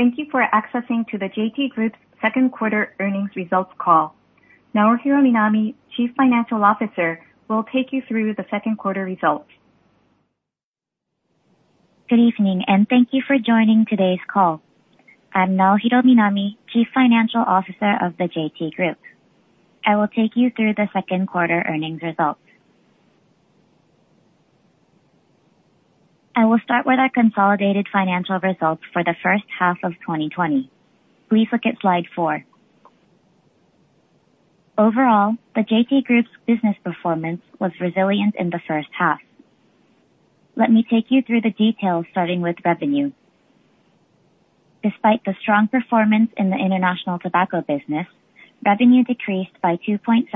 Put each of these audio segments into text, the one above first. Thank you for accessing to the JT Group's Second Quarter Earnings Results Call. Naohiro Minami, Chief Financial Officer, will take you through the second quarter results. Good evening, and thank you for joining today's call. I'm Naohiro Minami, Chief Financial Officer of the JT Group. I will take you through the second quarter earnings results. I will start with our consolidated financial results for the first half of 2020. Please look at slide four. Overall, the JT Group's business performance was resilient in the first half. Let me take you through the details starting with revenue. Despite the strong performance in the international tobacco business, revenue decreased by 2.7%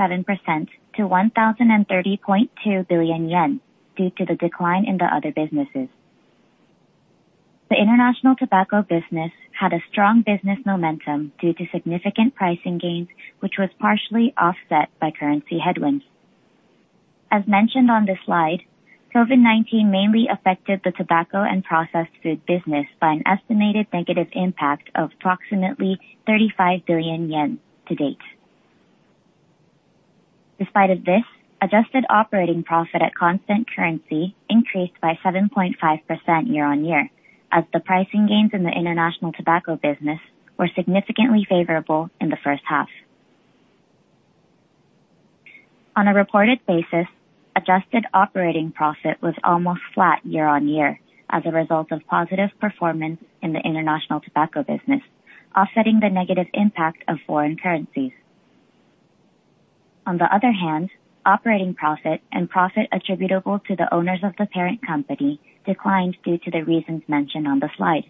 to 1,030.2 billion yen due to the decline in the other businesses. The international tobacco business had a strong business momentum due to significant pricing gains, which was partially offset by currency headwinds. As mentioned on the slide, COVID-19 mainly affected the tobacco and processed food business by an estimated negative impact of approximately 35 billion yen to date. Despite this, adjusted operating profit at constant currency increased by 7.5% year-on-year, as the pricing gains in the international tobacco business were significantly favorable in the first half. On a reported basis, adjusted operating profit was almost flat year-on-year as a result of positive performance in the international tobacco business, offsetting the negative impact of foreign currencies. On the other hand, operating profit and profit attributable to the owners of the parent company declined due to the reasons mentioned on the slide.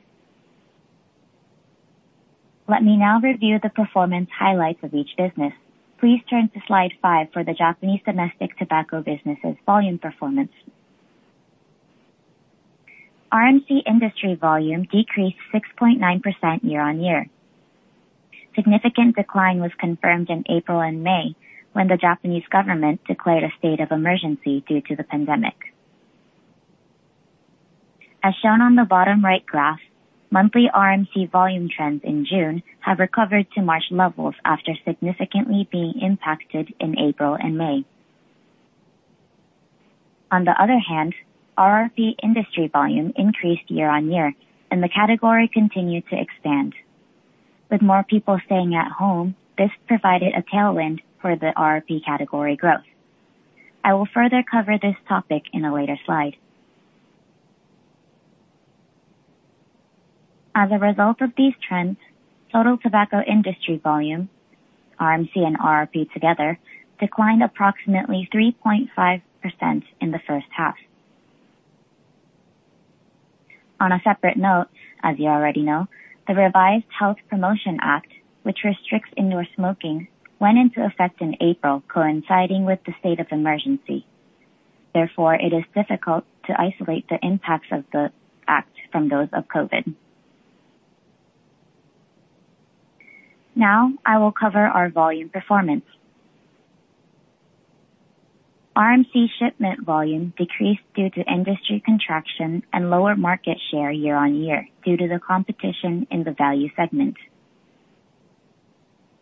Let me now review the performance highlights of each business. Please turn to slide five for the Japanese domestic tobacco businesses volume performance. RMC industry volume decreased 6.9% year-on-year. Significant decline was confirmed in April and May, when the Japanese government declared a state of emergency due to the pandemic. As shown on the bottom right graph, monthly RMC volume trends in June have recovered to March levels after significantly being impacted in April and May. On the other hand, RRP industry volume increased year-on-year, and the category continued to expand. With more people staying at home, this provided a tailwind for the RRP category growth. I will further cover this topic in a later slide. As a result of these trends, total tobacco industry volume, RMC and RRP together, declined approximately 3.5% in the first half. On a separate note, as you already know, the revised Health Promotion Act, which restricts indoor smoking, went into effect in April, coinciding with the state of emergency. Therefore, it is difficult to isolate the impacts of the act from those of COVID. Now, I will cover our volume performance. RMC shipment volume decreased due to industry contraction and lower market share year-on-year due to the competition in the value segment.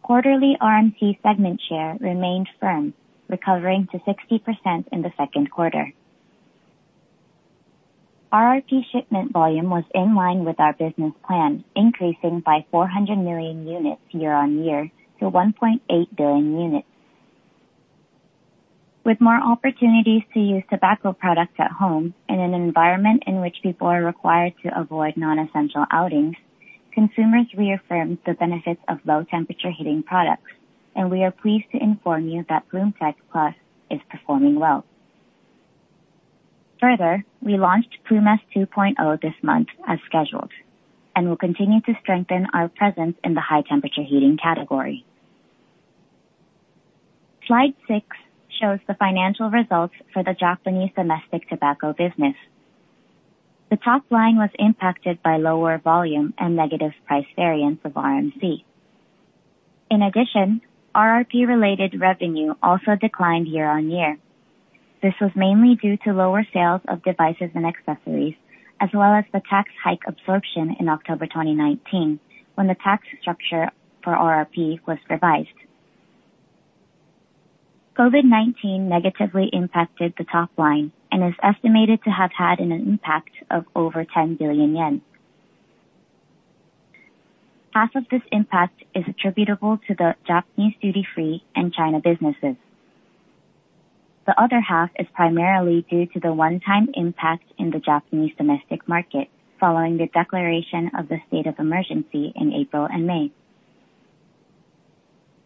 Quarterly RMC segment share remained firm, recovering to 60% in the second quarter. RRP shipment volume was in line with our business plan, increasing by 400 million units year-on-year to 1.8 billion units. With more opportunities to use tobacco products at home in an environment in which people are required to avoid non-essential outings, consumers reaffirmed the benefits of low-temperature heating products, and we are pleased to inform you that Ploom TECH+ is performing well. Further, we launched Ploom S 2.0 this month as scheduled and will continue to strengthen our presence in the high-temperature heating category. Slide six shows the financial results for the Japanese domestic tobacco business. The top line was impacted by lower volume and negative price variance of RMC. In addition, RRP-related revenue also declined year-on-year. This was mainly due to lower sales of devices and accessories, as well as the tax hike absorption in October 2019 when the tax structure for RRP was revised. COVID-19 negatively impacted the top line and is estimated to have had an impact of over 10 billion yen. Half of this impact is attributable to the Japanese duty-free and China businesses. The other half is primarily due to the one-time impact in the Japanese domestic market, following the declaration of the state of emergency in April and May.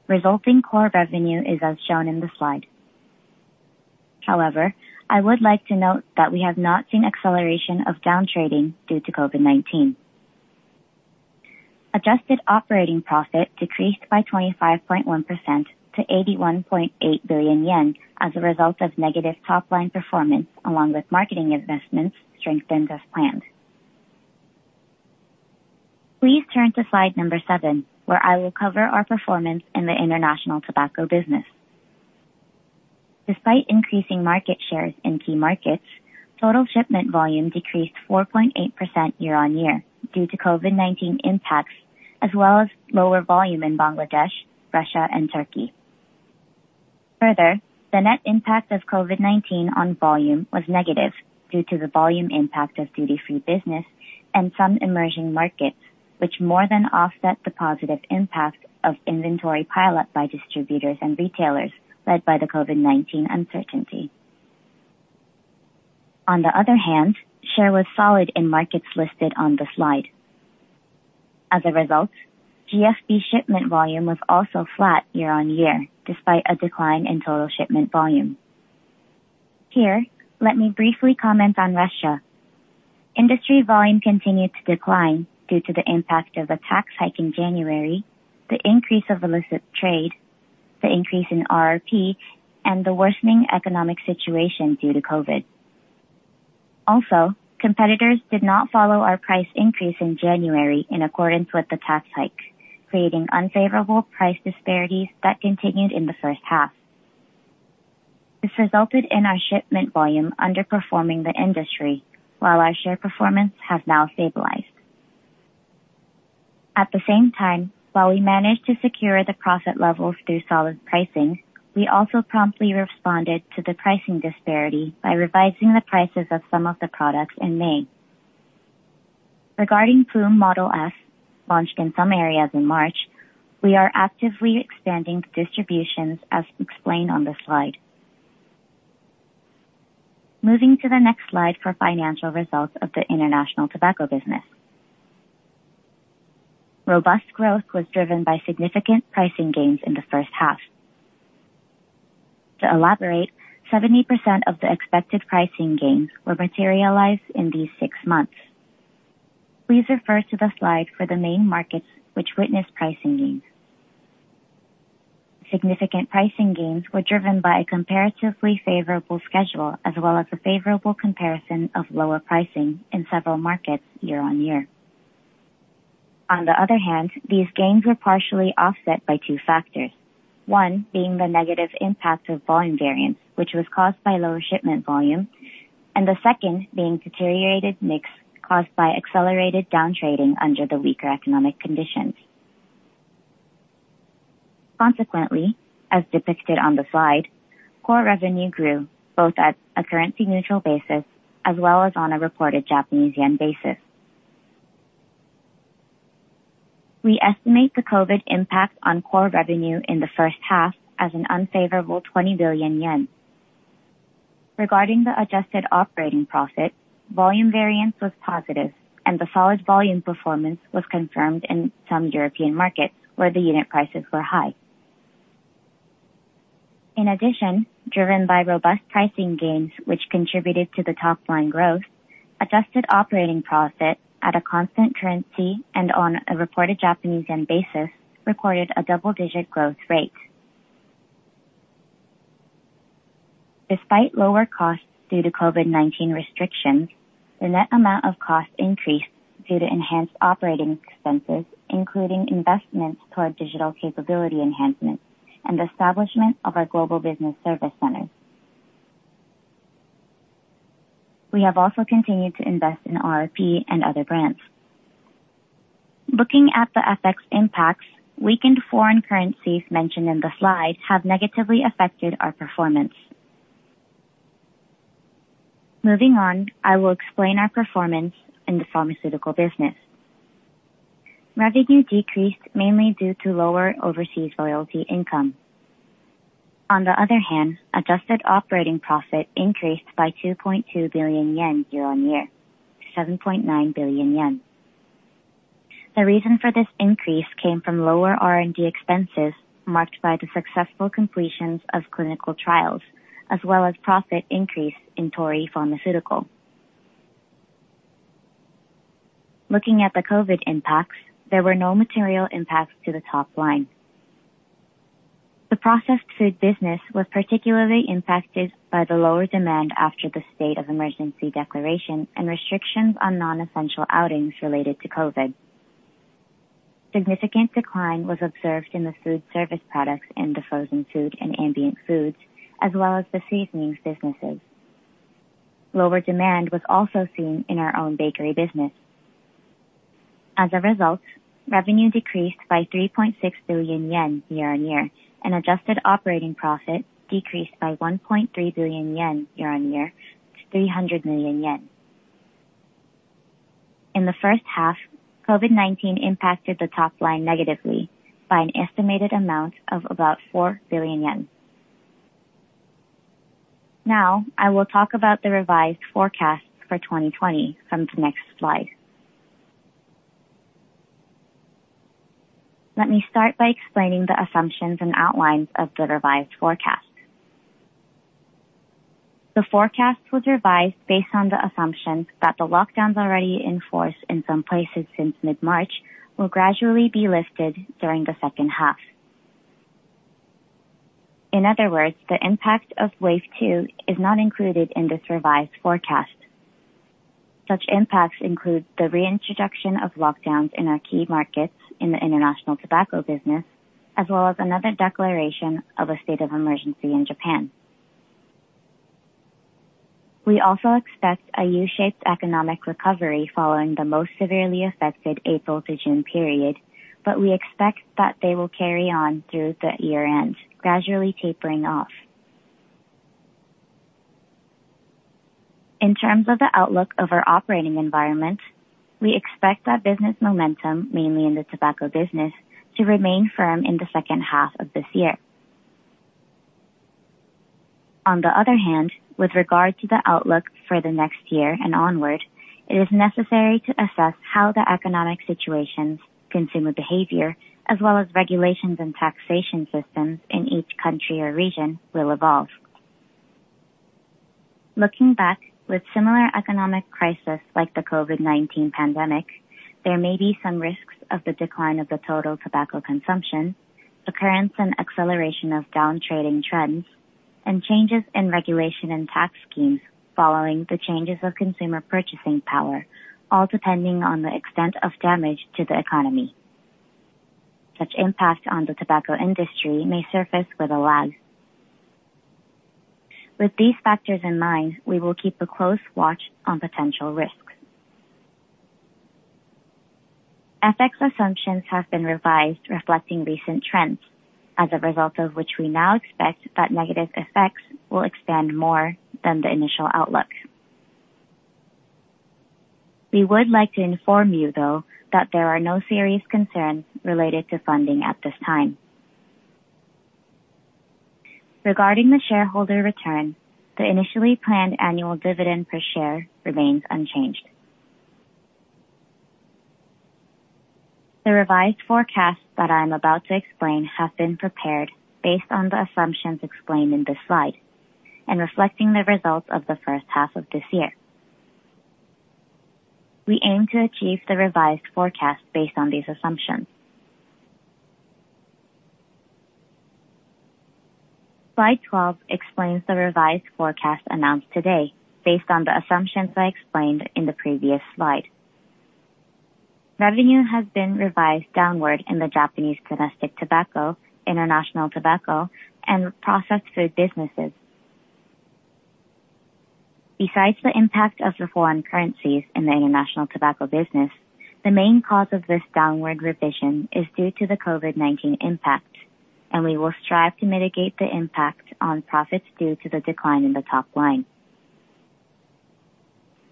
Resulting core revenue is as shown in the slide. However, I would like to note that we have not seen acceleration of downtrading due to COVID-19. Adjusted operating profit decreased by 25.1% to 81.8 billion yen as a result of negative top-line performance along with marketing investments strengthened as planned. Please turn to slide number seven, where I will cover our performance in the international tobacco business. Despite increasing market shares in key markets, total shipment volume decreased 4.8% year-on-year due to COVID-19 impacts, as well as lower volume in Bangladesh, Russia, and Turkey. Further, the net impact of COVID-19 on volume was negative due to the volume impact of duty-free business and some emerging markets, which more than offset the positive impact of inventory pile-up by distributors and retailers led by the COVID-19 uncertainty. On the other hand, share was solid in markets listed on the slide. As a result, GFB shipment volume was also flat year-on-year despite a decline in total shipment volume. Here, let me briefly comment on Russia. Industry volume continued to decline due to the impact of the tax hike in January, the increase of illicit trade, the increase in RRP, and the worsening economic situation due to COVID. Also, competitors did not follow our price increase in January in accordance with the tax hike, creating unfavorable price disparities that continued in the first half. This resulted in our shipment volume underperforming the industry, while our share performance has now stabilized. At the same time, while we managed to secure the profit levels through solid pricing, we also promptly responded to the pricing disparity by revising the prices of some of the products in May. Regarding Ploom S, launched in some areas in March, we are actively expanding distributions as explained on the slide. Moving to the next slide for financial results of the international tobacco business. Robust growth was driven by significant pricing gains in the first half. To elaborate, 70% of the expected pricing gains were materialized in these six months. Please refer to the slide for the main markets which witnessed pricing gains. Significant pricing gains were driven by a comparatively favorable schedule as well as a favorable comparison of lower pricing in several markets year-on-year. On the other hand, these gains were partially offset by two factors, one being the negative impact of volume variance, which was caused by lower shipment volume, and the second being deteriorated mix caused by accelerated downtrading under the weaker economic conditions. Consequently, as depicted on the slide, core revenue grew both at a currency-neutral basis as well as on a reported Japanese yen basis. We estimate the COVID impact on core revenue in the first half as an unfavorable 20 billion yen. Regarding the adjusted operating profit, volume variance was positive, and the solid volume performance was confirmed in some European markets where the unit prices were high. In addition, driven by robust pricing gains, which contributed to the top-line growth, adjusted operating profit at a constant currency and on a reported Japanese yen basis recorded a double-digit growth rate. Despite lower costs due to COVID-19 restrictions, the net amount of cost increased due to enhanced operating expenses, including investments toward digital capability enhancements and the establishment of our Global Business Services. We have also continued to invest in RRP and other brands. Looking at the effects and impacts, weakened foreign currencies mentioned in the slide have negatively affected our performance. Moving on, I will explain our performance in the pharmaceutical business. Revenue decreased mainly due to lower overseas royalty income. On the other hand, adjusted operating profit increased by 2.2 billion yen year-on-year, 7.9 billion yen. The reason for this increase came from lower R&D expenses marked by the successful completions of clinical trials, as well as profit increase in Torii Pharmaceutical. Looking at the COVID impacts, there were no material impacts to the top line. The processed food business was particularly impacted by the lower demand after the state of emergency declaration and restrictions on non-essential outings related to COVID. Significant decline was observed in the food service products and the frozen food and ambient foods, as well as the seasonings businesses. Lower demand was also seen in our own bakery business. As a result, revenue decreased by 3.6 billion yen year-on-year, and adjusted operating profit decreased by 1.3 billion yen year-on-year, 300 million yen. In the first half, COVID-19 impacted the top line negatively by an estimated amount of about 4 billion yen. Now, I will talk about the revised forecast for 2020 from the next slide. Let me start by explaining the assumptions and outlines of the revised forecast. The forecast was revised based on the assumption that the lockdowns already in force in some places since mid-March will gradually be lifted during the second half. In other words, the impact of wave two is not included in this revised forecast. Such impacts include the reintroduction of lockdowns in our key markets in the international tobacco business, as well as another declaration of a state of emergency in Japan. We also expect a U-shaped economic recovery following the most severely affected April to June period, but we expect that they will carry on through the year-end, gradually tapering off. In terms of the outlook of our operating environment, we expect that business momentum, mainly in the tobacco business, to remain firm in the second half of this year. On the other hand, with regard to the outlook for the next year and onward, it is necessary to assess how the economic situations, consumer behavior, as well as regulations and taxation systems in each country or region will evolve. Looking back, with similar economic crises like the COVID-19 pandemic, there may be some risks of the decline of the total tobacco consumption, occurrence and acceleration of downtrading trends, and changes in regulation and tax schemes following the changes of consumer purchasing power, all depending on the extent of damage to the economy. Such impact on the tobacco industry may surface with a lag. With these factors in mind, we will keep a close watch on potential risks. FX assumptions have been revised, reflecting recent trends, as a result of which we now expect that negative effects will expand more than the initial outlook. We would like to inform you, though, that there are no serious concerns related to funding at this time. Regarding the shareholder return, the initially planned annual dividend per share remains unchanged. The revised forecast that I am about to explain has been prepared based on the assumptions explained in this slide and reflecting the results of the first half of this year. We aim to achieve the revised forecast based on these assumptions. Slide 12 explains the revised forecast announced today based on the assumptions I explained in the previous slide. Revenue has been revised downward in the Japanese domestic tobacco, international tobacco, and processed food businesses. Besides the impact of the foreign currencies in the international tobacco business, the main cause of this downward revision is due to the COVID-19 impact, and we will strive to mitigate the impact on profits due to the decline in the top line.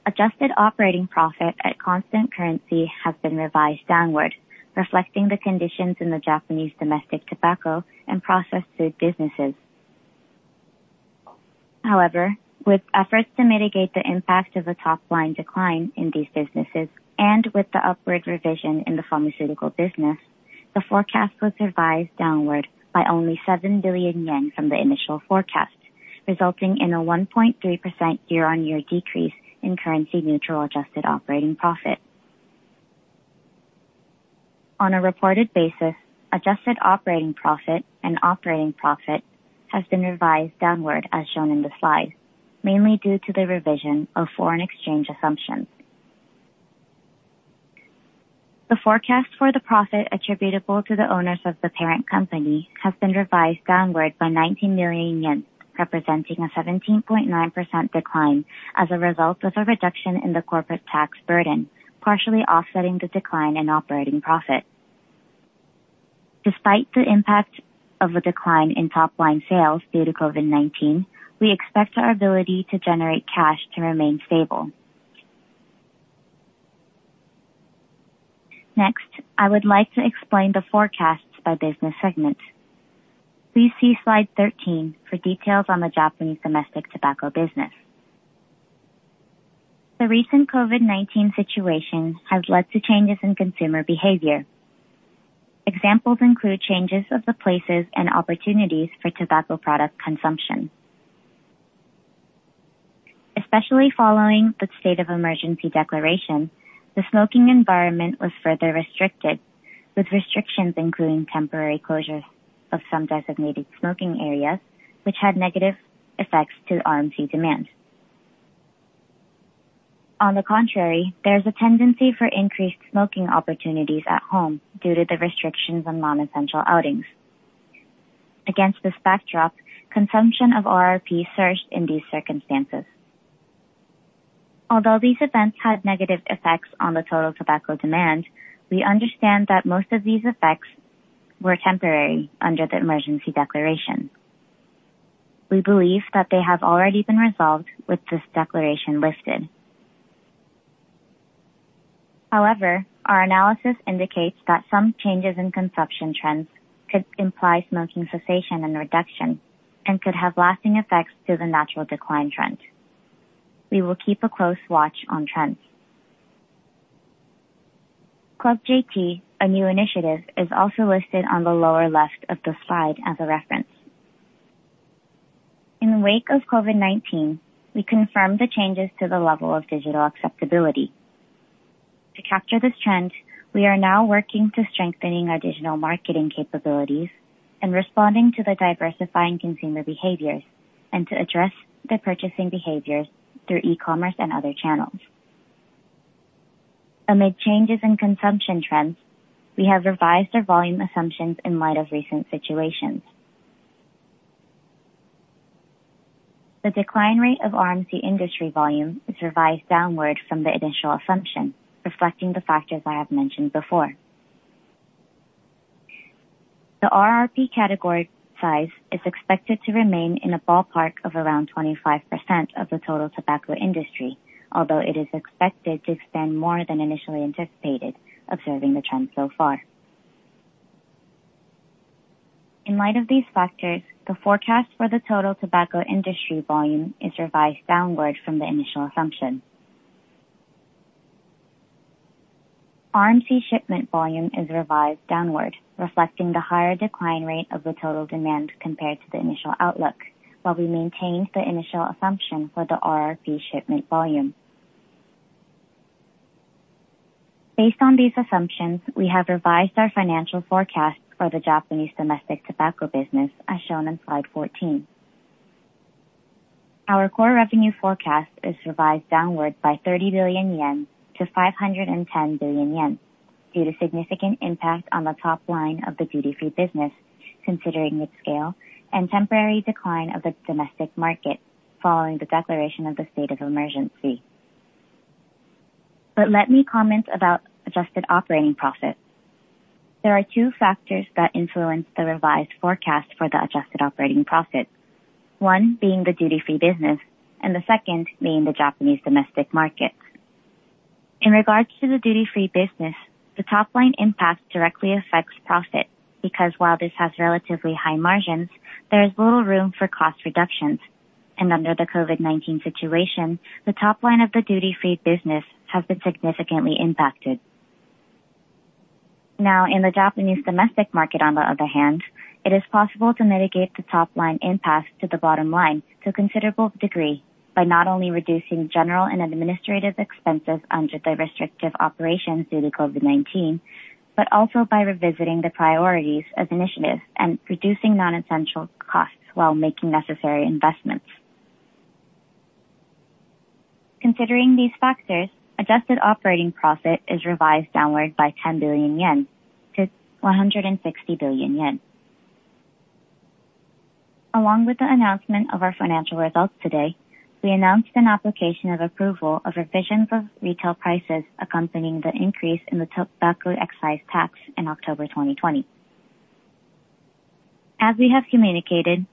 Adjusted operating profit at constant currency has been revised downward, reflecting the conditions in the Japanese domestic tobacco and processed food businesses. However, with efforts to mitigate the impact of a top-line decline in these businesses and with the upward revision in the pharmaceutical business, the forecast was revised downward by only 7 billion yen from the initial forecast, resulting in a 1.3% year-on-year decrease in currency-neutral adjusted operating profit. On a reported basis, adjusted operating profit and operating profit has been revised downward, as shown in the slide, mainly due to the revision of foreign exchange assumptions. The forecast for the profit attributable to the owners of the parent company has been revised downward by 19 million yen, representing a 17.9% decline as a result of a reduction in the corporate tax burden, partially offsetting the decline in operating profit. Despite the impact of the decline in top-line sales due to COVID-19, we expect our ability to generate cash to remain stable. Next, I would like to explain the forecasts by business segment. Please see slide 13 for details on the Japanese domestic tobacco business. The recent COVID-19 situation has led to changes in consumer behavior. Examples include changes of the places and opportunities for tobacco product consumption. Especially following the state of emergency declaration, the smoking environment was further restricted, with restrictions including temporary closures of some designated smoking areas, which had negative effects to RMC demand. On the contrary, there is a tendency for increased smoking opportunities at home due to the restrictions on non-essential outings. Against this backdrop, consumption of RRP surged in these circumstances. Although these events had negative effects on the total tobacco demand, we understand that most of these effects were temporary under the emergency declaration. We believe that they have already been resolved with this declaration lifted. However, our analysis indicates that some changes in consumption trends could imply smoking cessation and reduction and could have lasting effects to the natural decline trend. We will keep a close watch on trends. CLUB JT, a new initiative, is also listed on the lower left of the slide as a reference. In the wake of COVID-19, we confirmed the changes to the level of digital acceptability. To capture this trend, we are now working to strengthen our digital marketing capabilities and respond to the diversifying consumer behaviors and to address the purchasing behaviors through e-commerce and other channels. Amid changes in consumption trends, we have revised our volume assumptions in light of recent situations. The decline rate of RMC industry volume is revised downward from the initial assumption, reflecting the factors I have mentioned before. The RRP category size is expected to remain in a ballpark of around 25% of the total tobacco industry, although it is expected to expand more than initially anticipated, observing the trend so far. In light of these factors, the forecast for the total tobacco industry volume is revised downward from the initial assumption. RMC shipment volume is revised downward, reflecting the higher decline rate of the total demand compared to the initial outlook, while we maintained the initial assumption for the RRP shipment volume. Based on these assumptions, we have revised our financial forecast for the Japanese domestic tobacco business, as shown in slide 14. Our core revenue forecast is revised downward by 30 billion yen to 510 billion yen due to significant impact on the top line of the duty-free business, considering its scale and temporary decline of the domestic market following the declaration of the state of emergency, but let me comment about adjusted operating profit. There are two factors that influence the revised forecast for the adjusted operating profit, one being the duty-free business and the second being the Japanese domestic market. In regards to the duty-free business, the top line impact directly affects profit because while this has relatively high margins, there is little room for cost reductions, and under the COVID-19 situation, the top line of the duty-free business has been significantly impacted. Now, in the Japanese domestic market, on the other hand, it is possible to mitigate the top line impact to the bottom line to a considerable degree by not only reducing general and administrative expenses under the restrictive operations due to COVID-19, but also by revisiting the priorities of initiatives and reducing non-essential costs while making necessary investments. Considering these factors, adjusted operating profit is revised downward by 10 billion yen to 160 billion yen. Along with the announcement of our financial results today, we announced an application of approval of revisions of retail prices accompanying the increase in the tobacco excise tax in October 2020. As we have communicated,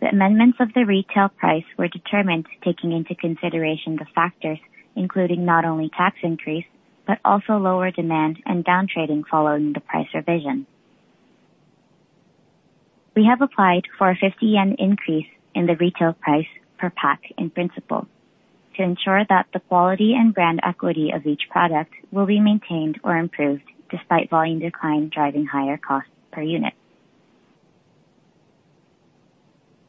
the amendments of the retail price were determined taking into consideration the factors including not only tax increase but also lower demand and downtrading following the price revision. We have applied for a 50 yen increase in the retail price per pack in principle to ensure that the quality and brand equity of each product will be maintained or improved despite volume decline driving higher costs per unit.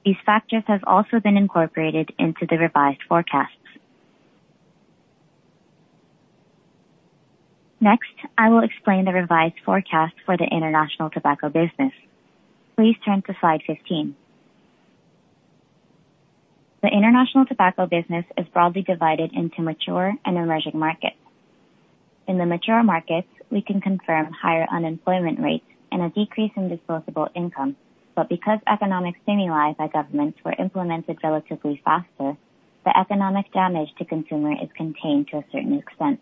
These factors have also been incorporated into the revised forecasts. Next, I will explain the revised forecast for the international tobacco business. Please turn to slide 15. The international tobacco business is broadly divided into mature and emerging markets. In the mature markets, we can confirm higher unemployment rates and a decrease in disposable income, but because economic stimuli by governments were implemented relatively faster, the economic damage to consumer is contained to a certain extent.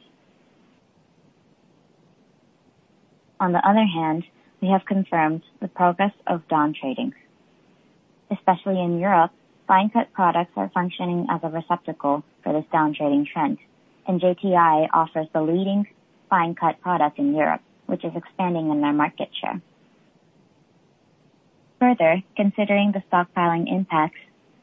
On the other hand, we have confirmed the progress of downtrading. Especially in Europe, fine-cut products are functioning as a receptacle for this downtrading trend, and JTI offers the leading fine-cut product in Europe, which is expanding in their market share. Further, considering the stockpiling impacts,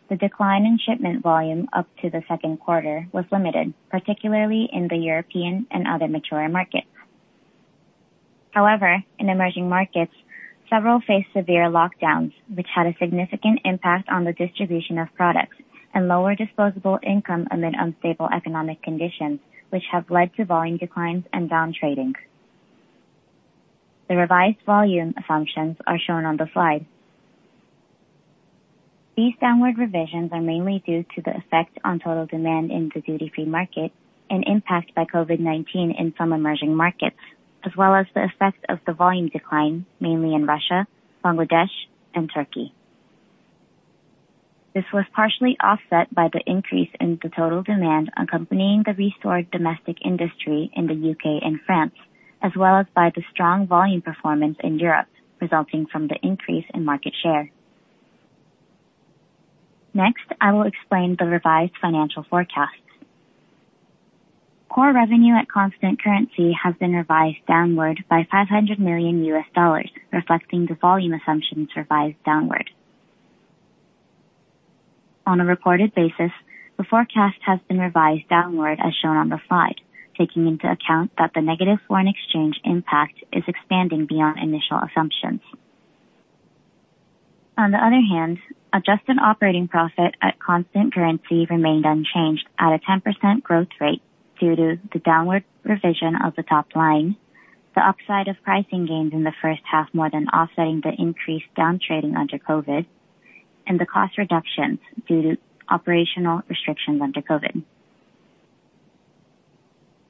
the decline in shipment volume up to the second quarter was limited, particularly in the European and other mature markets. However, in emerging markets, several faced severe lockdowns, which had a significant impact on the distribution of products and lower disposable income amid unstable economic conditions, which have led to volume declines and downtrading. The revised volume assumptions are shown on the slide. These downward revisions are mainly due to the effect on total demand in the duty-free market and impact by COVID-19 in some emerging markets, as well as the effect of the volume decline, mainly in Russia, Bangladesh, and Turkey. This was partially offset by the increase in the total demand accompanying the restored domestic industry in the U.K. and France, as well as by the strong volume performance in Europe, resulting from the increase in market share. Next, I will explain the revised financial forecasts. Core revenue at constant currency has been revised downward by $500 million, reflecting the volume assumptions revised downward. On a reported basis, the forecast has been revised downward, as shown on the slide, taking into account that the negative foreign exchange impact is expanding beyond initial assumptions. On the other hand, adjusted operating profit at constant currency remained unchanged at a 10% growth rate due to the downward revision of the top line, the upside of pricing gains in the first half more than offsetting the increased downtrading under COVID, and the cost reductions due to operational restrictions under COVID.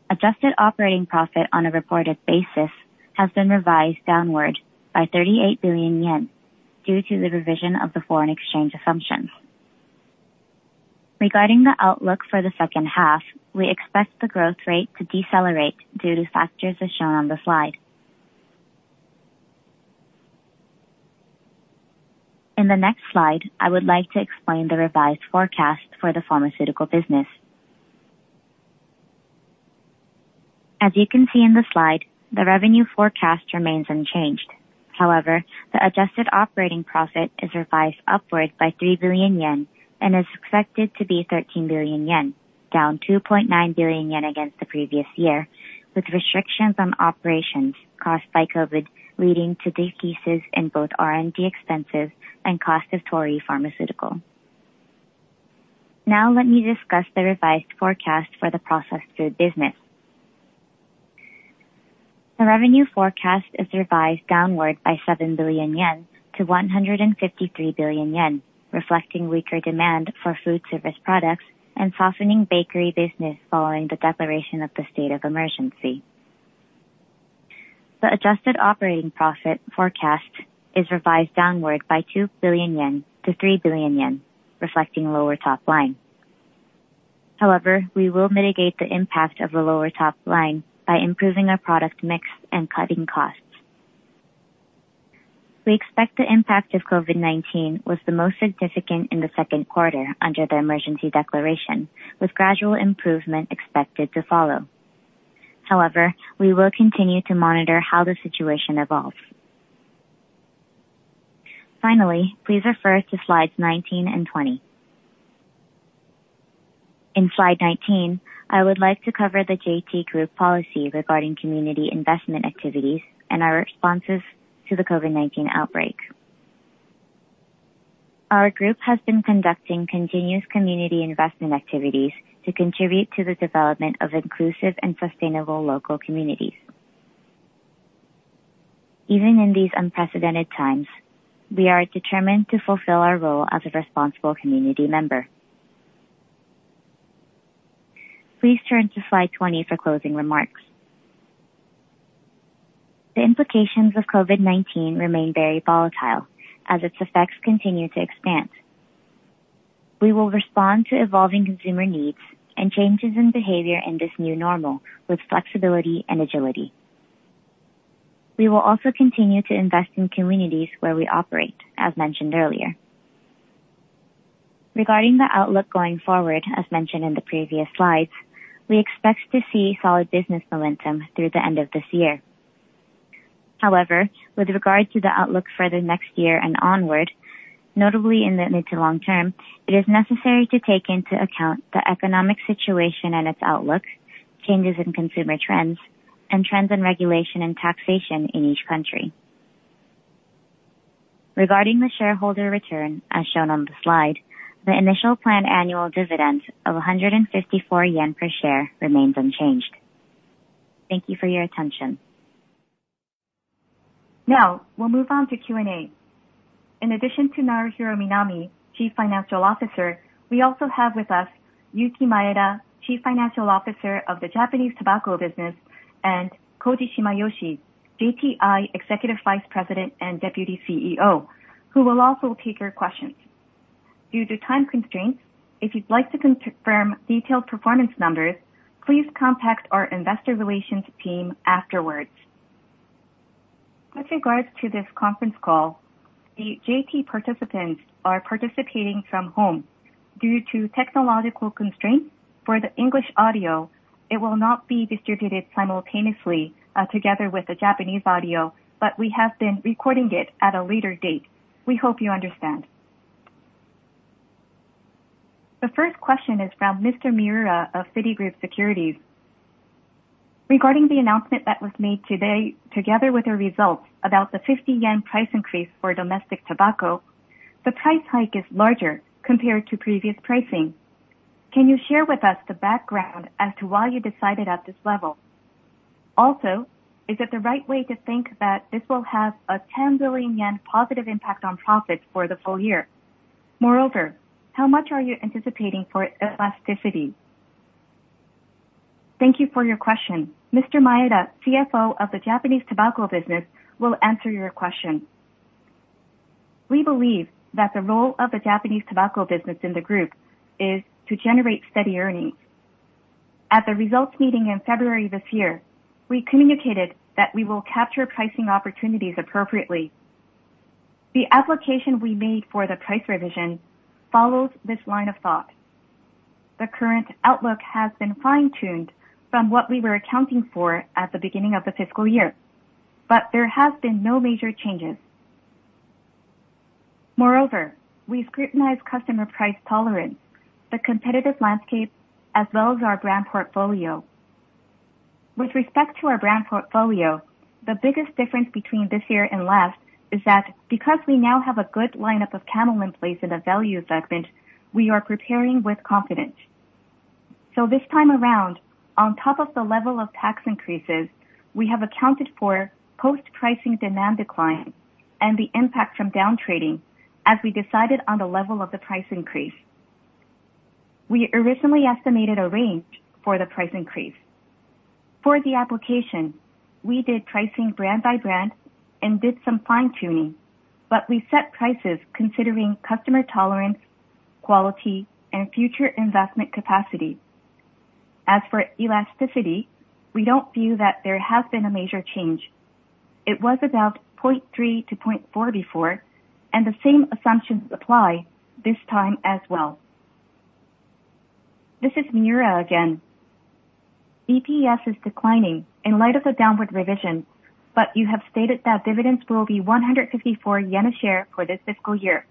Adjusted operating profit on a reported basis has been revised downward by 38 billion yen due to the revision of the foreign exchange assumptions. Regarding the outlook for the second half, we expect the growth rate to decelerate due to factors as shown on the slide. In the next slide, I would like to explain the revised forecast for the pharmaceutical business. As you can see in the slide, the revenue forecast remains unchanged. However, the adjusted operating profit is revised upward by 3 billion yen and is expected to be 13 billion yen, down 2.9 billion yen against the previous year, with restrictions on operations caused by COVID leading to decreases in both R&D expenses and cost of Torii Pharmaceutical. Now, let me discuss the revised forecast for the processed food business. The revenue forecast is revised downward by 7 billion yen to 153 billion yen, reflecting weaker demand for food service products and softening bakery business following the declaration of the state of emergency. The adjusted operating profit forecast is revised downward by 2 billion yen to 3 billion yen, reflecting lower top line. However, we will mitigate the impact of the lower top line by improving our product mix and cutting costs. We expect the impact of COVID-19 was the most significant in the second quarter under the emergency declaration, with gradual improvement expected to follow. However, we will continue to monitor how the situation evolves. Finally, please refer to slides 19 and 20. In slide 19, I would like to cover the JT Group policy regarding community investment activities and our responses to the COVID-19 outbreak. Our group has been conducting continuous community investment activities to contribute to the development of inclusive and sustainable local communities. Even in these unprecedented times, we are determined to fulfill our role as a responsible community member. Please turn to slide 20 for closing remarks. The implications of COVID-19 remain very volatile as its effects continue to expand. We will respond to evolving consumer needs and changes in behavior in this new normal with flexibility and agility. We will also continue to invest in communities where we operate, as mentioned earlier. Regarding the outlook going forward, as mentioned in the previous slides, we expect to see solid business momentum through the end of this year. However, with regard to the outlook for the next year and onward, notably in the mid to long term, it is necessary to take into account the economic situation and its outlook, changes in consumer trends, and trends in regulation and taxation in each country. Regarding the shareholder return, as shown on the slide, the initial planned annual dividend of 154 yen per share remains unchanged. Thank you for your attention. Now, we'll move on to Q&A. In addition to Naohiro Minami, Chief Financial Officer, we also have with us Yuki Maeda, Chief Financial Officer of the Japanese tobacco business, and Koji Shimayoshi, JTI Executive Vice President and Deputy CEO, who will also take your questions. Due to time constraints, if you'd like to confirm detailed performance numbers, please contact our investor relations team afterwards. With regards to this conference call, the JT participants are participating from home. Due to technological constraints for the English audio, it will not be distributed simultaneously together with the Japanese audio, but we have been recording it at a later date. We hope you understand. The first question is from Mr. Miura of Citigroup Securities. Regarding the announcement that was made today together with the results about the 50 yen price increase for domestic tobacco, the price hike is larger compared to previous pricing. Can you share with us the background as to why you decided at this level? Also, is it the right way to think that this will have a 10 billion yen positive impact on profits for the full year? Moreover, how much are you anticipating for elasticity? Thank you for your question. Mr. Maeda, CFO of the Japanese tobacco business, will answer your question. We believe that the role of the Japanese tobacco business in the group is to generate steady earnings. At the results meeting in February this year, we communicated that we will capture pricing opportunities appropriately. The application we made for the price revision follows this line of thought. The current outlook has been fine-tuned from what we were accounting for at the beginning of the fiscal year, but there have been no major changes. Moreover, we scrutinize customer price tolerance, the competitive landscape, as well as our brand portfolio. With respect to our brand portfolio, the biggest difference between this year and last is that because we now have a good lineup of Camel in place and a value segment, we are preparing with confidence. So this time around, on top of the level of tax increases, we have accounted for post-pricing demand decline and the impact from downtrading as we decided on the level of the price increase. We originally estimated a range for the price increase. For the application, we did pricing brand by brand and did some fine-tuning, but we set prices considering customer tolerance, quality, and future investment capacity. As for elasticity, we don't view that there has been a major change. It was about 0.3-0.4 before, and the same assumptions apply this time as well. This is Miura again. EPS is declining in light of the downward revision, but you have stated that dividends will be 154 yen a share for this fiscal year.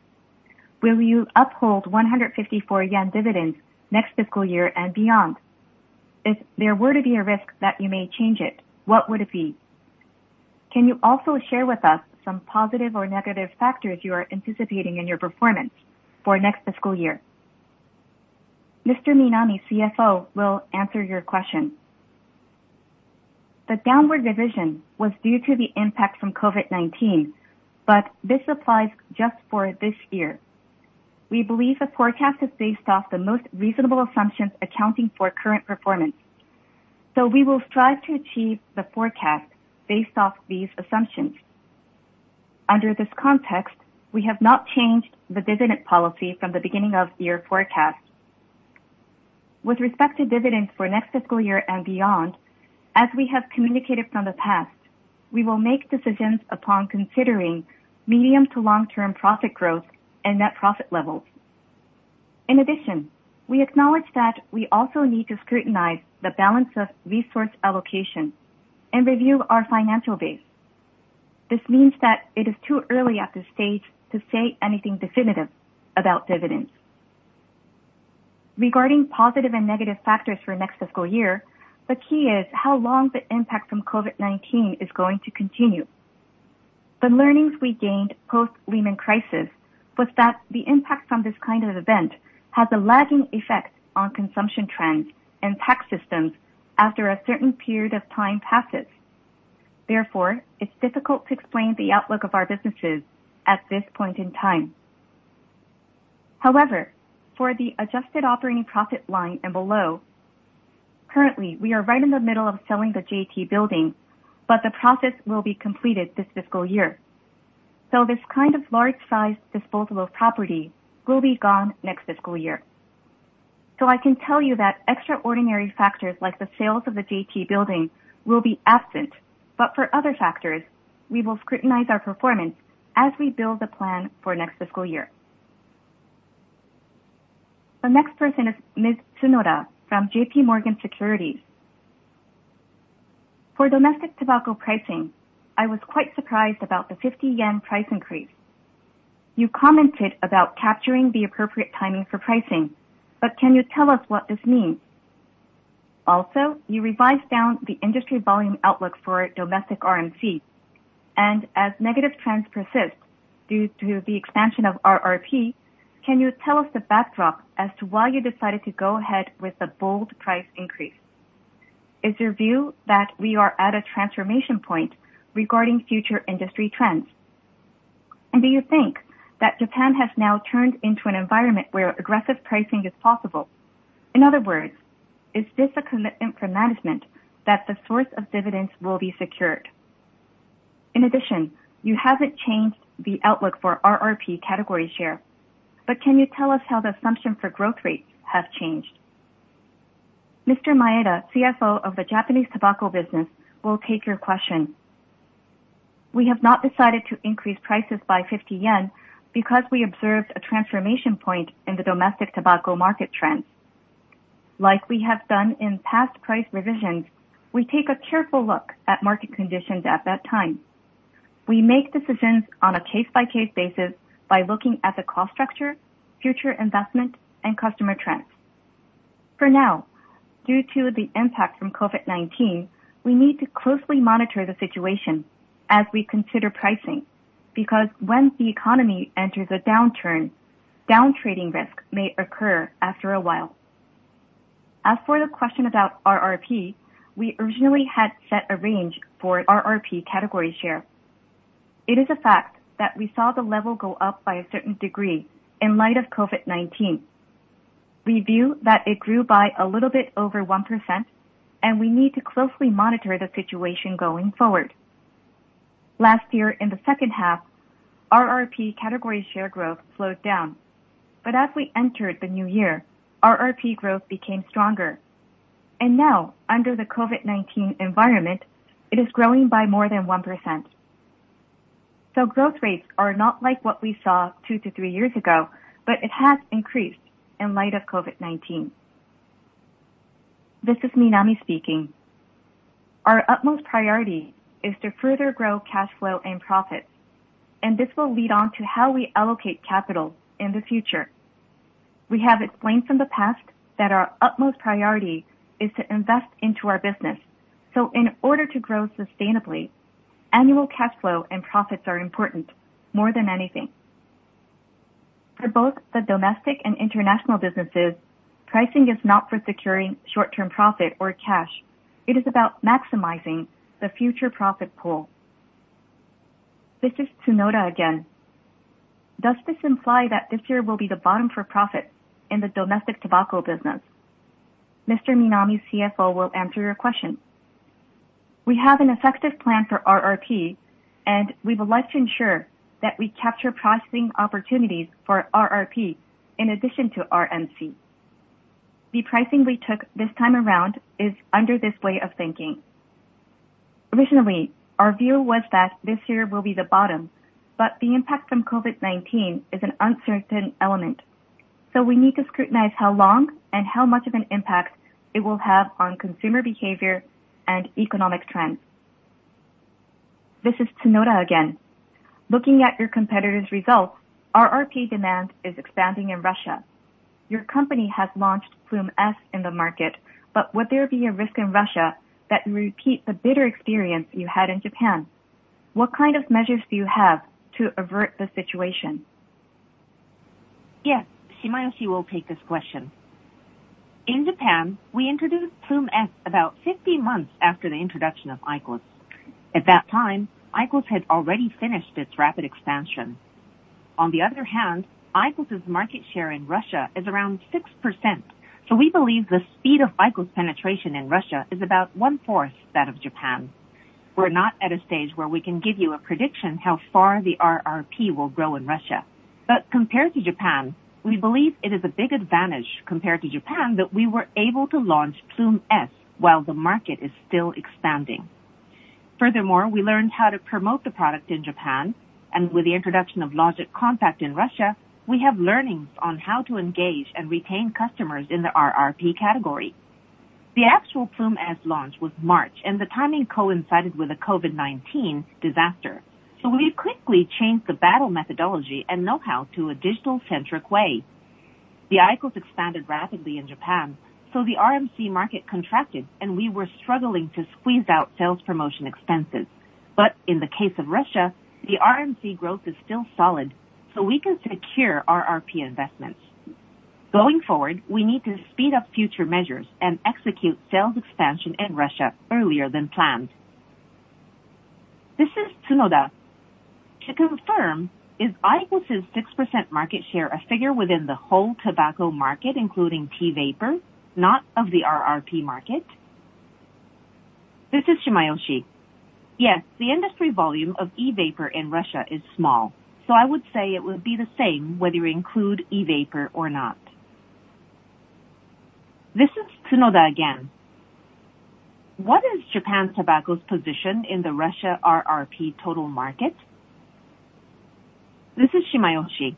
Will you uphold 154 yen dividends next fiscal year and beyond? If there were to be a risk that you may change it, what would it be? Can you also share with us some positive or negative factors you are anticipating in your performance for next fiscal year? Mr. Minami, CFO, will answer your question. The downward revision was due to the impact from COVID-19, but this applies just for this year. We believe the forecast is based off the most reasonable assumptions accounting for current performance, so we will strive to achieve the forecast based off these assumptions. Under this context, we have not changed the dividend policy from the beginning of your forecast. With respect to dividends for next fiscal year and beyond, as we have communicated from the past, we will make decisions upon considering medium to long-term profit growth and net profit levels. In addition, we acknowledge that we also need to scrutinize the balance of resource allocation and review our financial base. This means that it is too early at this stage to say anything definitive about dividends. Regarding positive and negative factors for next fiscal year, the key is how long the impact from COVID-19 is going to continue. The learnings we gained post-Lehman crisis was that the impact from this kind of event has a lagging effect on consumption trends and tax systems after a certain period of time passes. Therefore, it's difficult to explain the outlook of our businesses at this point in time. However, for the adjusted operating profit line and below, currently, we are right in the middle of selling the JT building, but the process will be completed this fiscal year. So this kind of large-sized disposable property will be gone next fiscal year. So I can tell you that extraordinary factors like the sales of the JT building will be absent, but for other factors, we will scrutinize our performance as we build the plan for next fiscal year. The next person is Ms. Tsunoda from JPMorgan Securities. For domestic tobacco pricing, I was quite surprised about the 50 yen price increase. You commented about capturing the appropriate timing for pricing, but can you tell us what this means? Also, you revised down the industry volume outlook for domestic RMC, and as negative trends persist due to the expansion of RRP, can you tell us the backdrop as to why you decided to go ahead with the bold price increase? Is your view that we are at a transformation point regarding future industry trends? And do you think that Japan has now turned into an environment where aggressive pricing is possible? In other words, is this a commitment from management that the source of dividends will be secured? In addition, you haven't changed the outlook for RRP category share, but can you tell us how the assumption for growth rates has changed? Mr. Maeda, CFO of the Japanese tobacco business, will take your question. We have not decided to increase prices by 50 yen because we observed a transformation point in the domestic tobacco market trends. Like we have done in past price revisions, we take a careful look at market conditions at that time. We make decisions on a case-by-case basis by looking at the cost structure, future investment, and customer trends. For now, due to the impact from COVID-19, we need to closely monitor the situation as we consider pricing because when the economy enters a downturn, downtrading risk may occur after a while. As for the question about RRP, we originally had set a range for RRP category share. It is a fact that we saw the level go up by a certain degree in light of COVID-19. We view that it grew by a little bit over 1%, and we need to closely monitor the situation going forward. Last year, in the second half, RRP category share growth slowed down, but as we entered the new year, RRP growth became stronger. And now, under the COVID-19 environment, it is growing by more than 1%. So growth rates are not like what we saw two to three years ago, but it has increased in light of COVID-19. This is Minami speaking. Our utmost priority is to further grow cash flow and profits, and this will lead on to how we allocate capital in the future. We have explained from the past that our utmost priority is to invest into our business. So in order to grow sustainably, annual cash flow and profits are important more than anything. For both the domestic and international businesses, pricing is not for securing short-term profit or cash. It is about maximizing the future profit pool. This is Tsunoda again. Does this imply that this year will be the bottom for profits in the domestic tobacco business? Mr. Minami, CFO, will answer your question. We have an effective plan for RRP, and we would like to ensure that we capture pricing opportunities for RRP in addition to RMC. The pricing we took this time around is under this way of thinking. Originally, our view was that this year will be the bottom, but the impact from COVID-19 is an uncertain element. We need to scrutinize how long and how much of an impact it will have on consumer behavior and economic trends. This is Tsunoda again. Looking at your competitors' results, RRP demand is expanding in Russia. Your company has launched Ploom S in the market, but would there be a risk in Russia that you repeat the bitter experience you had in Japan? What kind of measures do you have to avert the situation? Yes, Shimayoshi will take this question. In Japan, we introduced Ploom S about 15 months after the introduction of IQOS. At that time, IQOS had already finished its rapid expansion. On the other hand, IQOS's market share in Russia is around 6%. So we believe the speed of IQOS penetration in Russia is about one-fourth that of Japan. We're not at a stage where we can give you a prediction how far the RRP will grow in Russia, but compared to Japan, we believe it is a big advantage compared to Japan that we were able to launch Ploom S while the market is still expanding. Furthermore, we learned how to promote the product in Japan, and with the introduction of Logic Compact in Russia, we have learnings on how to engage and retain customers in the RRP category. The actual Ploom S launch was March, and the timing coincided with a COVID-19 disaster. So we quickly changed the battle methodology and know-how to a digital-centric way. The IQOS expanded rapidly in Japan, so the RMC market contracted, and we were struggling to squeeze out sales promotion expenses. But in the case of Russia, the RMC growth is still solid, so we can secure RRP investments. Going forward, we need to speed up future measures and execute sales expansion in Russia earlier than planned. This is Tsunoda. To confirm, is IQOS's 6% market share a figure within the whole tobacco market, including T-Vapor, not of the RRP market? This is Shimayoshi. Yes, the industry volume of E-vapor in Russia is small, so I would say it would be the same whether you include E-vapor or not. This is Tsunoda again. What is Japan Tobacco's position in the Russia RRP total market? This is Shimayoshi.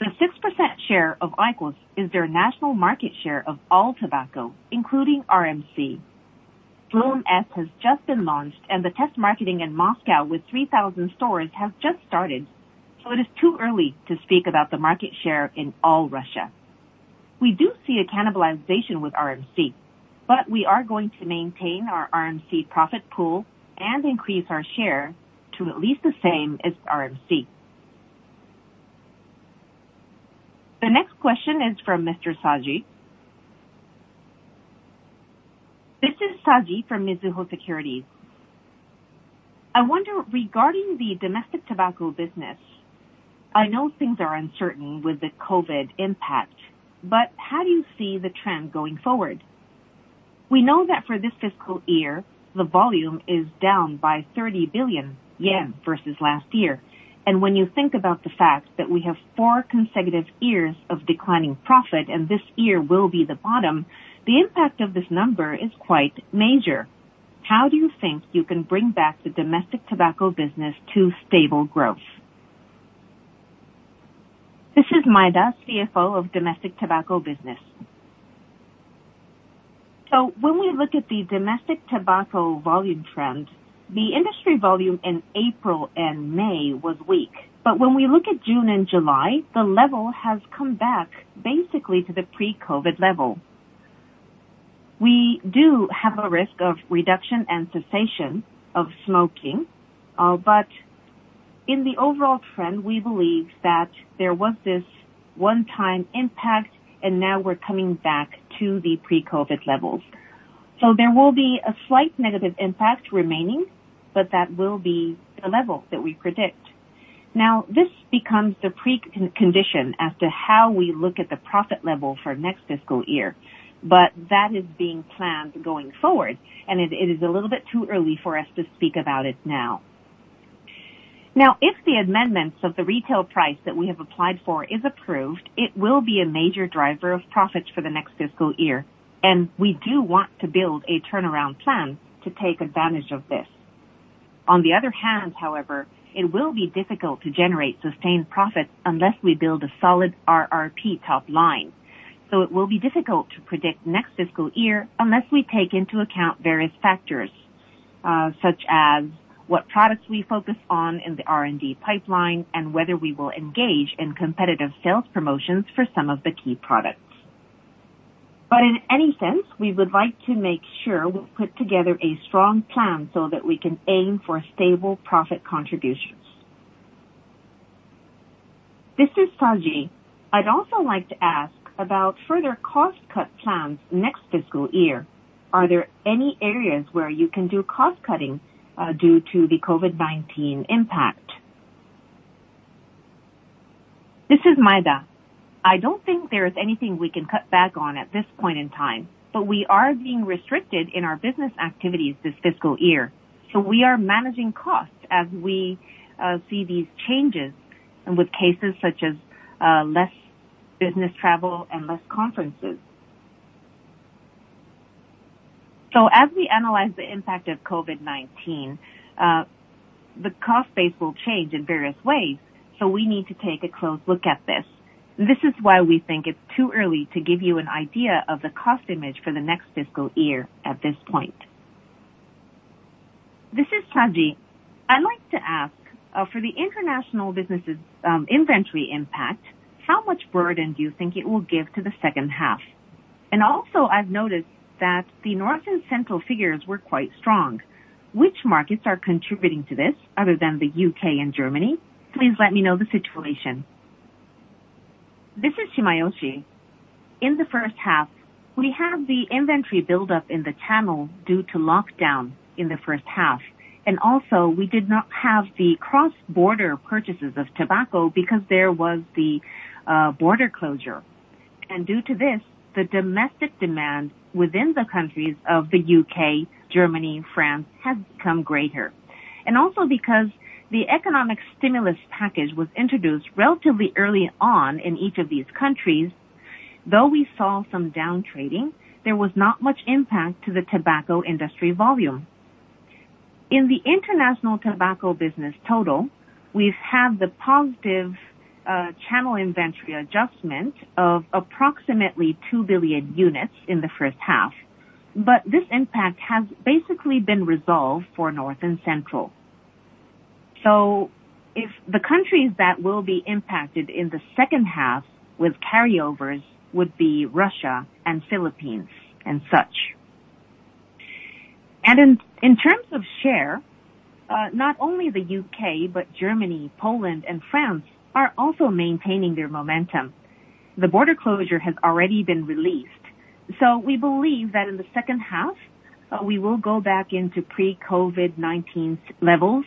The 6% share of IQOS is their national market share of all tobacco, including RMC. Ploom S has just been launched, and the test marketing in Moscow with 3,000 stores has just started, so it is too early to speak about the market share in all Russia. We do see a cannibalization with RMC, but we are going to maintain our RMC profit pool and increase our share to at least the same as RMC. The next question is from Mr. Saji. This is Saji from Mizuho Securities. I wonder, regarding the domestic tobacco business, I know things are uncertain with the COVID impact, but how do you see the trend going forward? We know that for this fiscal year, the volume is down by 30 billion yen versus last year. And when you think about the fact that we have four consecutive years of declining profit, and this year will be the bottom, the impact of this number is quite major. How do you think you can bring back the domestic tobacco business to stable growth? This is Maeda, CFO of domestic tobacco business. So when we look at the domestic tobacco volume trend, the industry volume in April and May was weak, but when we look at June and July, the level has come back basically to the pre-COVID level. We do have a risk of reduction and cessation of smoking, but in the overall trend, we believe that there was this one-time impact, and now we're coming back to the pre-COVID levels. So there will be a slight negative impact remaining, but that will be the level that we predict. Now, this becomes the precondition as to how we look at the profit level for next fiscal year, but that is being planned going forward, and it is a little bit too early for us to speak about it now. Now, if the amendments of the retail price that we have applied for are approved, it will be a major driver of profits for the next fiscal year, and we do want to build a turnaround plan to take advantage of this. On the other hand, however, it will be difficult to generate sustained profits unless we build a solid RRP top line. So it will be difficult to predict next fiscal year unless we take into account various factors, such as what products we focus on in the R&D pipeline and whether we will engage in competitive sales promotions for some of the key products. But in any sense, we would like to make sure we put together a strong plan so that we can aim for stable profit contributions. This is Saji. I'd also like to ask about further cost cut plans next fiscal year. Are there any areas where you can do cost cutting due to the COVID-19 impact? This is Maeda. I don't think there is anything we can cut back on at this point in time, but we are being restricted in our business activities this fiscal year, so we are managing costs as we see these changes with cases such as less business travel and less conferences. So as we analyze the impact of COVID-19, the cost base will change in various ways, so we need to take a close look at this. This is why we think it's too early to give you an idea of the cost image for the next fiscal year at this point. This is Saji. I'd like to ask, for the international businesses' inventory impact, how much burden do you think it will give to the second half? And also, I've noticed that the North and Central figures were quite strong. Which markets are contributing to this other than the U.K. and Germany? Please let me know the situation. This is Shimayoshi. In the first half, we have the inventory buildup in the channel due to lockdown in the first half. And also, we did not have the cross-border purchases of tobacco because there was the border closure. And due to this, the domestic demand within the countries of the U.K., Germany, and France has become greater. And also because the economic stimulus package was introduced relatively early on in each of these countries, though we saw some downtrading, there was not much impact to the tobacco industry volume. In the international tobacco business total, we have the positive channel inventory adjustment of approximately 2 billion units in the first half, but this impact has basically been resolved for North and Central. So the countries that will be impacted in the second half with carryovers would be Russia and Philippines and such. And in terms of share, not only the U.K., but Germany, Poland, and France are also maintaining their momentum. The border closure has already been released. So we believe that in the second half, we will go back into pre-COVID-19 levels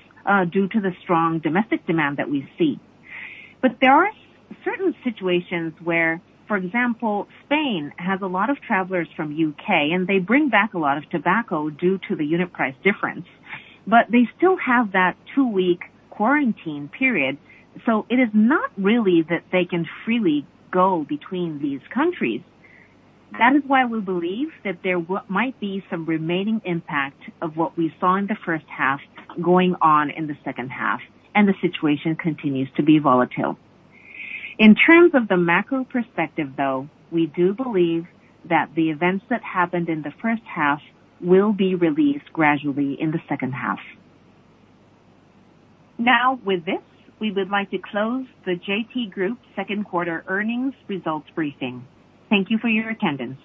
due to the strong domestic demand that we see. But there are certain situations where, for example, Spain has a lot of travelers from the U.K., and they bring back a lot of tobacco due to the unit price difference, but they still have that two-week quarantine period. So it is not really that they can freely go between these countries. That is why we believe that there might be some remaining impact of what we saw in the first half going on in the second half, and the situation continues to be volatile. In terms of the macro perspective, though, we do believe that the events that happened in the first half will be released gradually in the second half. Now, with this, we would like to close the JT Group Second Quarter Earnings Results briefing. Thank you for your attendance.